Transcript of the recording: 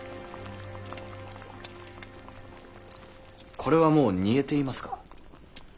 これはもう煮えていますか？